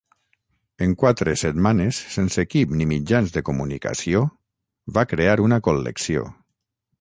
En quatre setmanes sense equip ni mitjans de comunicació, va crear una col·lecció.